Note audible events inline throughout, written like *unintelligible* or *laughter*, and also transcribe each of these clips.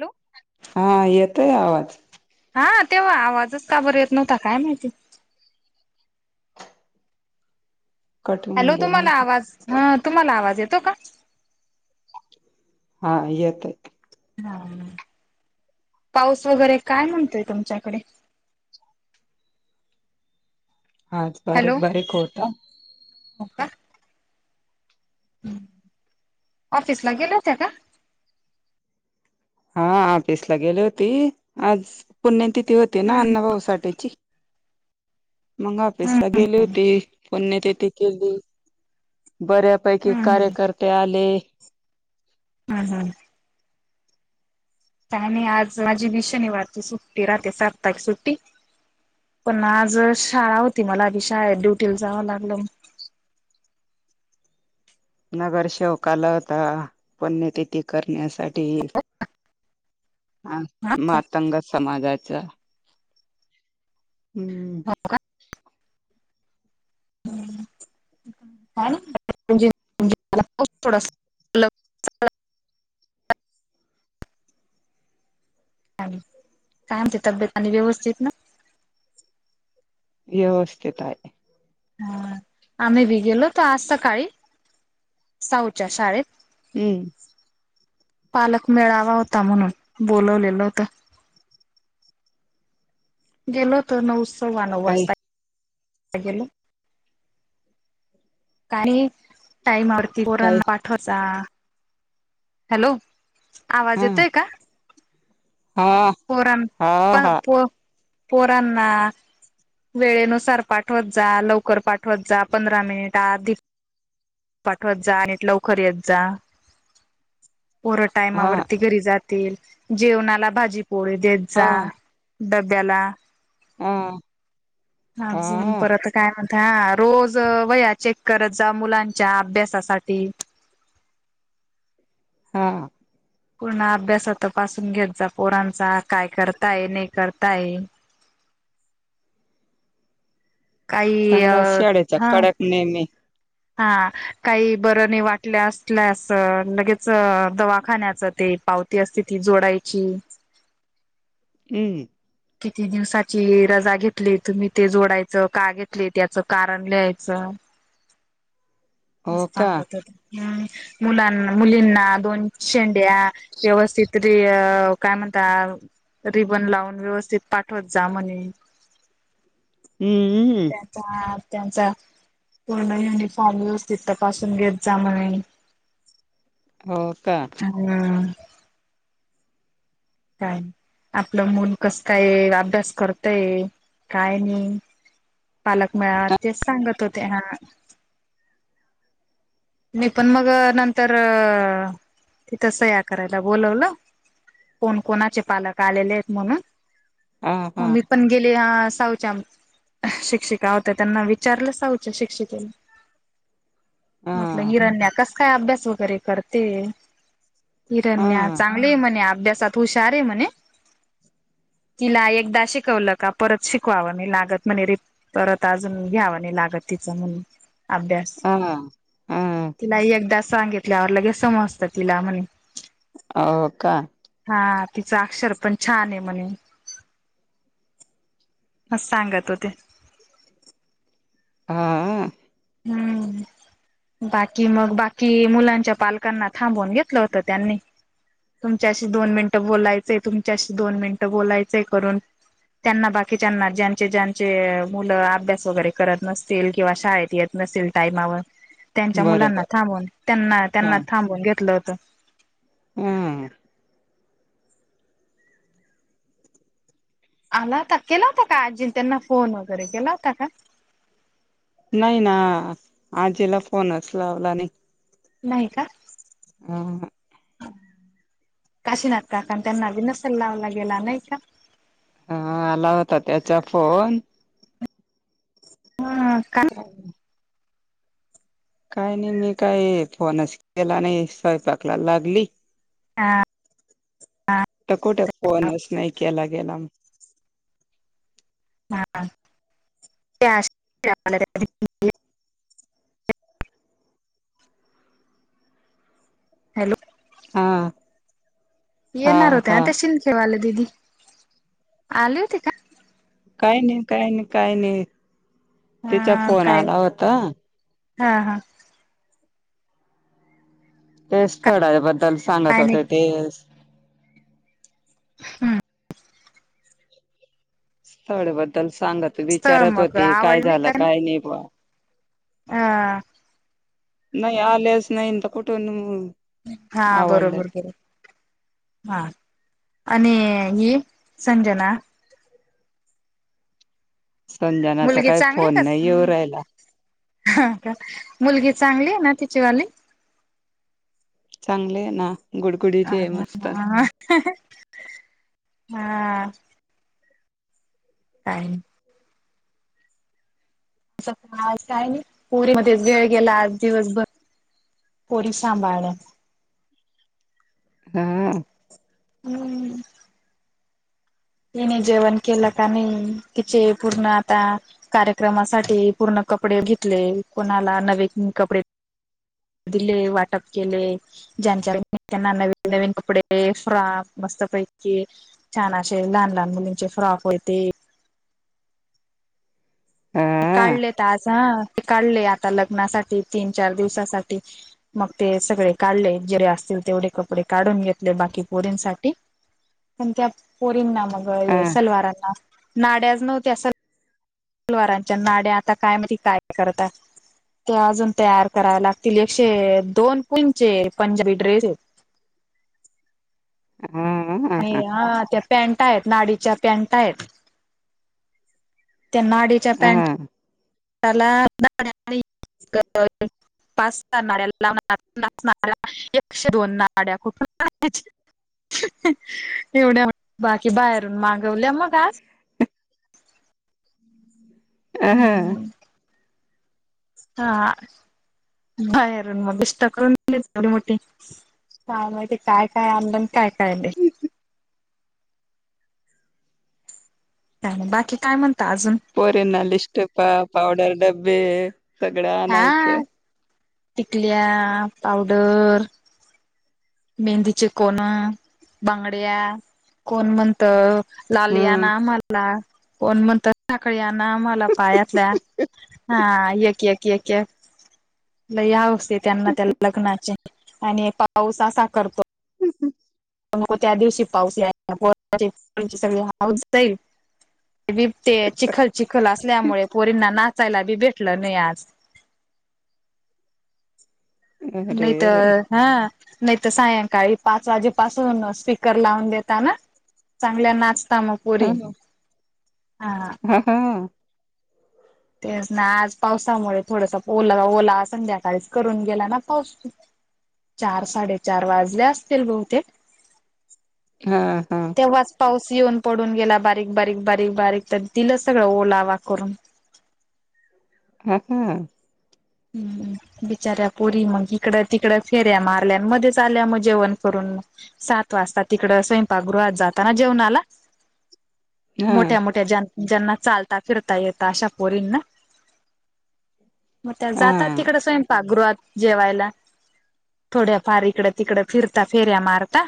Hello. हा येतोय आवाज हा तेव्हा आवाजच काबर येत नव्हता काय माहिती कट होऊन हॅलो गेला तुम्हाला होता आवाज ह तुम्हाला आवाज येतो का? हा येत आहेत. हा पाऊस वगैरे काय म्हणतोय तुमच्याकडे हाच हॅलो बारीक बारीक होता. हो का? ऑफिसला गेलत का? हा ऑफिसला गेली होती आज पुणे तिथी होती ना अन्नभाऊ साठची मग हम्म अफिसला गेली होती पणणे तेथे केली बऱ्या पैकी हम्म कार्यकर्ते आले. हं हं. आणि आणि आज माझी ही शनिवारची सुट्टी रात्री सात ते सुट्टी पण आज शाळा होती मला आधी शाळेत ड्युटीला जावं लागलं. नगरसेेवका आला होता पुण्यतिथी करण्यासाठी ते म तंग समाजाचा हम्म हो का थोडस कायम ते तब्येत आणि व्यवस्थित ना व्यवस्थित आहे हा आम्ही बी गेलो होतो आज सकाळी साऊच्या शाळेत हम्म पालक मेळावा होता म्हणून बोलवलेलं होतं गेल तर नऊ सव्वा नऊ काही वाजता का टाम कोोरांना काही पाठवाचा हॅलो आवाज हा येतय का हा पोरण हा प हा प पोरना वेळेनुसार पाठवत जा लवकर पाठवत जा पंधरा मिनिटध पाठवत जा आणि लवकर येत जा पोर हा टायमावरती घरी जात जेवणाला भाजी पोळी देत जा डब्याला हा हा अजून परत काय म्हणत रोज वया चेक करत जा मुलांच्या अभ्यासासाठी हा पूर्ण अभ्यास तर पासून घेत जा पोरांचा काय करताय नाही करताय काही अ चांगला शाळेचा हा कडाक नेहमी हा काही बरं नाही वाटल्या असल्याचं लगेच दवाखान्याचं ते पावती असते ती जोडायची हम किती दिवसाची रजा घेतली तुम्ही ते जोडायचं का घेतले त्याचं कारण लिहायचं हो म का चांगत हो हम् मुलांना मुलींना दोन शेंड्या व्यवस्थित रि काय म्हणता रिबन लावून व्यवस्थित ज पाठवत जा म्हणे हम्म त्यांचा त्यांचा पूर्ण युनिफॉर्म व्यवस्थित तपासून घेत जा म्ह हो का हम्म काय नाही आपलं मुल कस काय अभ्यास करतय काय नाही पालक मेळावा तेच सांगत होते ह म पण मग नंतर त तस सह्या करायला बोोलवलं कोण कोणाचे पालक आलेले आहेत म्हणून हा हा मग मी पण गेले साऊच्या शिक्षिका होत्या त्यांना विचारलं साऊच्या शिक्षिकेने हा म्हटलं हिरणण्या कस काय अभ्यास वगैरे करते हिरण्या हा चांगली म्हणे अभ्यासात हुशार आहे म्हणे तिला एकदा शिकवलं का परत शिकवावं मी लागत म्हणे रे परत अजून घ्यावा नाही लागत तिचं म्हून अभ्यास हा हा तिला एकदा सांगितल्यावर लगे समजतं तिला म्हण हो का हा तिचा अक्षर पण छान आहे म्हणे ह सांगत होते हां. हम्म. बाकी मग, बाकी मुलांच्या पालकांना थांबून घेतलं होत त्यांनी. तुमच्याशी दोन मिनिटं बोलायचेय तुमच्याशी दोन मिनिटं बोलायचेंय करून. त्यांना बाकीच्याना ज्यांचे ज्यांचे मुलं अभ्यास वगैरे करत नसतील किंवा शाळेत येत नसेल टाइमावर त्यांच्या मुलांना बरोबर थांबून त्यांना हा त्यांना थांबून घेतलं होतं. हम. आला होता केला होता का आजीन त्यांना फोन वगैरे केला होता का? नाही ना आजीला फोनच लावला नाही. नाही का? हा. काशिनाथ काका त्यांना बी नसेल लावला गेला नाही का? हा आला होता त्याचा फोन. हा, का अचछ *unintelligible* काय नाही मी काय फोनच केला नाही स्वयंपाकला लागली. हा. तर कुठे फोनच नाही केला गेला. हा *unintelligible* हॅलो. हा. हा येणार होत्या हा ना शिंकेवाल्या दीदी, आली होती का? काही नाही, काही नाही, काही नाही, तिचा अ फोन काय आला होता. हा, हा, ते स्थळा बद्दल सांगत काय नाही होत्या ते हम्म. स्थळ बद्दल सांगत स्थळ विचारत मग होते काय आवड झालं काय नाही बा. हा. नाही आल्याच नाही अन् त कुठून अ हा बरोबर बरोबर हा आणि ही संजना संजनाचा मुलगी काय चांगली फोन का? नाही येऊ राहिला हा का मुलगी चांगली ना तिचीवाली? चांगलेय ना गुडगुडीच आहे मस्त. हा *unintelligible* हा. काय *unintelligible* *unintelligible* पुरी मध्ये वेळ गेला आज दिवसभर पोरी सांभाळल्या. हा. हम्. तिने जेवण केलं का नाही तिचे पूर्ण आता कार्यक्रमासाठी पूर्ण कपडे घेतले. कोणाला नवेन कपडे दिले वाटप केले. ज्यांच्या *unintelligible* त्यांना नवीन नवीन कपडे फ्रॉक मस्त पैकी छान असे लहान लहान मुलींचे फ्रॉक होते. हा काढले तर आज हा ते काढले आता लग्नासाठी तीन, चार दिवसासाठी. मग ते सगळे काढले जरे असतील तेवढे कपडे काढून घेतले बाकी पोरींसाठी. पण त्या पोरींना मग हा सलवारांना नाड्याच नव्हत्या स सलवारांच्या नाड्या आता कायमाहित काय करता. ते अजून तयार करावे लागतील एकशे दोन *unintelligible* पंजाबी ड्रेस आहेत. अय हा हा ते पॅन्ट आहेत नाडीच्या पॅन्ट आहेत त्या नाडी ह त्याला *unintelligible* पाच सा नाड्या *unintelligible* एकशे दोन नाड्या *unintelligible* एवढ्या बाकी बाहेरून मागवल्या मग आज, अ ह हम्म हा बाहेरून मग *unintelligible* करून दिले थोडी मोठी काय माहिते काय काय आणलं अन् काय काय नाही. काही नाही बाकी काय म्हणता अजून? पोरींना लिस्टीपा, पावडर डब्बे सगळं हा आणायचं. टिकल्या, पावडर मेहंदीचे कोण, बांगड्या कोण म्हणत लालि आणा हम्म आमला कोण म्हणतं साकळी आना मला पायातल्या हा एक एक क ल या असते त्यांना त्या लग्नाचे आणि पाऊसा, करतो. हम् हम मग त्या दिवशी पाऊस या सगळी हौस जाईल. बी ते चिखल चिखल असल्यामुळे पोरींना नाचायला बी भेटलं नाही आज. अरे नाहीत तर सायंकाळी पाच वाजे पाासून स्पीकर लावून देता ना चांगल्या नाचता मग. *unintelligible* हा हा तेच ना आज पावसामुळे थोडस ओला ओला संध्याकाळीच करून गेला ना पाऊस. चार साडेचार वाजले असतील बहुतेक हा हा तेव्हाच पाऊस येऊन पडून गेला बारीक बारीक बारीक बारीक तर दिलं सगळं ओला वा करून. हा हा हम्म बिचाऱ्या पुरी मग इकडं तिकड फेऱ्या मारल्या मध्येच आल्या मग जेवण करून मग सात वाजता तिकडं स्वयंपाकगृहात जाताना जेवणाला हां, मोठ्या मोठ्या ज्यां ज्यांना चालता फिरता येता अशा पोरींना. मग त्या जातात हां. तिकडे स्वयंपाकगृहात. जेवायला थोड्याफार इकड तिकड फिरता फेऱ्या मारता.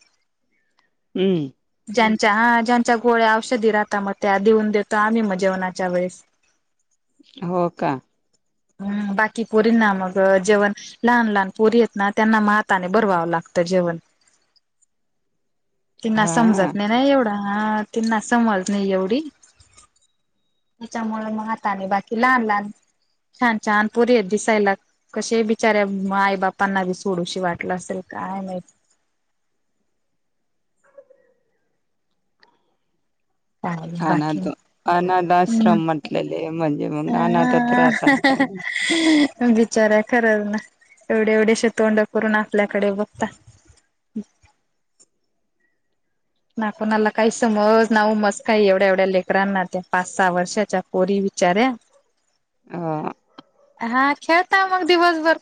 *unintelligible* हम्म ज्यांच्या ह ज्यांच्या गोळ्या औषधी राहता मग त्या देऊन देतो आम्ही मग जेवणाच्या वेळेस. हो का? हम् बाकी पोरीन ना मग जेवण लहान लहान पोरी आहेत ना त्यांना हाताने बरवावं लागतं जेवण. तिना समजत हां. नाही ना एवढा हा त्यांना समज नाही एवढी त्याच्यामुळे मग आाताने बाकी लहान लहान छान छान पोरी आहेत दिसायला. कसे बिचार्या आई बापांना बी सोडूशी वाटलं असेल काय माहित? काय बाकी अनाथ, अनाथ हम्म आश्रम म्हटलेले म्हणजे मग अनाथतच राहतात. विचारा खरच ना एवढे एवढेश तोंड करून आपल्याकडे बघता. ना कोणाला काही समज ना ऊमज काय एवढ्या एवढ्या लेकरांना त्या पाच, सहा वर्षाच्या पोरी बिचाऱ्या. *inaudible* हा. हा खेळता मग दिवसभर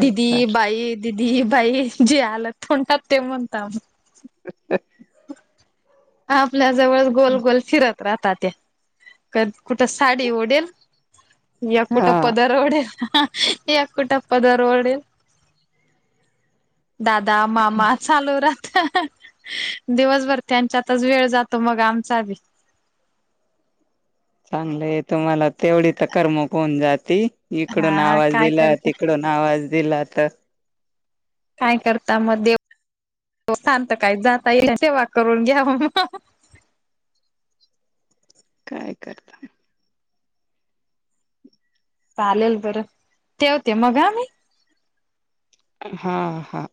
दिदी बाई. दीदी बाई जे आलत उणटात तेमणंतव. *inaudible* आपल्या जवळ गोल गोल फिरत. राहता ते क कुठं साडी ओढडेल. या कुठ हां. पदार ओडेल. हेअ पदर वडेल दादा मामा चालू राह दिवसभर त्यांच्यातच वेळ जातो मग आमचा आधी. चांगलंय तुम्हाला तेवढी तक मोकून जाती इकडून हा आवाज काय दिला करता तिकडून. नाआवाज दिला तर. काय करता मग देवथांत काय जाता येई सेवा करून घ्या मग. काय करता. चालेल बरं तेवते मग आ म्ही. हा हा.